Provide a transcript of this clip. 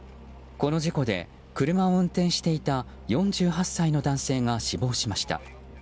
この事故で車を運転していた４８歳の男性が死亡しました。